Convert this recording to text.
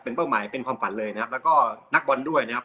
เป้าหมายเป็นความฝันเลยนะครับแล้วก็นักบอลด้วยนะครับ